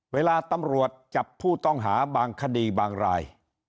เวลาตำรวจจับผู้ต้องหาบางคดีบางราย